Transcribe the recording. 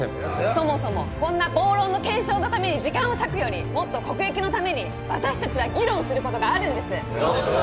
そもそもこんな暴論の検証のために時間を割くよりもっと国益のために私達は議論することがあるんですそうだ